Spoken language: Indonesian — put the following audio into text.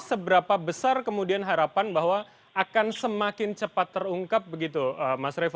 seberapa besar kemudian harapan bahwa akan semakin cepat terungkap begitu mas revo